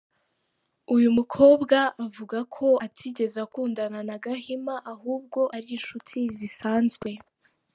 Uyu mukobwa avuga ko atigeze akundana na Gahima ahubwo ari inshuti zisanzwe.